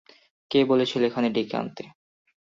কে বলেছিল এখানে ডেকে আনতে?